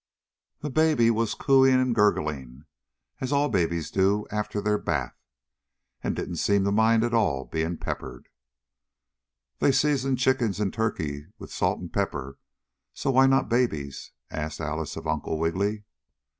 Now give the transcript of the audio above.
The baby was cooing and gurgling as all babies do after their bath and didn't seem at all to mind her being peppered. "They season chickens and turkeys with salt and pepper, so why not babies?" asked Alice of Uncle Wiggily.